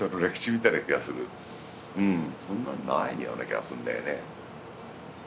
そんなにないような気がするんだよね。